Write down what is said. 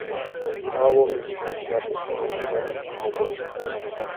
The album is considered a concept album.